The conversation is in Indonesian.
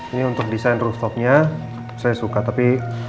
ini untuk desain rooftopnya saya suka tapi